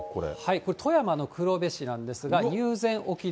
これ、富山の黒部市なんですが、入善沖で。